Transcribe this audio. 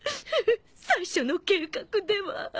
最初の計画では